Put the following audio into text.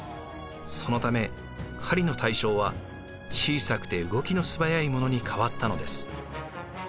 そのため狩りの対象は小さくて動きの素早いものに変わったのです。